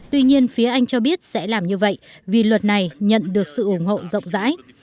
tuy nhiên phía anh cho biết sẽ làm như vậy vì luật này nhận được sự ủng hộ rộng rãi